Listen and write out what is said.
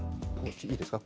いいですか？